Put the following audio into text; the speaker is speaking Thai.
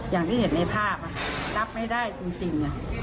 อย่างที่เห็นในภาพรับไม่ได้จริง